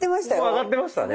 上がってましたよ。